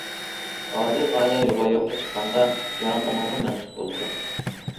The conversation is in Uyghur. ئالىي غايە روياپقا چىققاندا جاھان ئومۇمغا مەنسۇپ بولىدۇ.